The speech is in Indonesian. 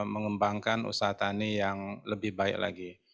mengembangkan usaha tani yang lebih baik lagi